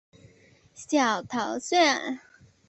小桃纻